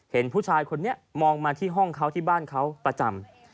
เห็นผู้ชายคนนี้มองมาที่ห้องเขาที่บ้านเขาประจำ